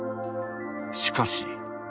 しかし。